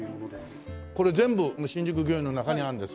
これ全部新宿御苑の中にあるんですね。